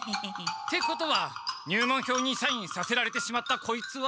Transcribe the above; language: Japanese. ってことは入門票にサインさせられてしまったこいつは。